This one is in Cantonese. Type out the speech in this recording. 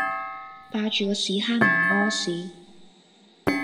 霸住個屎坑唔痾屎